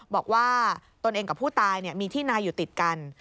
ตนเองกับผู้ตายมีที่นาอยู่ติดกัน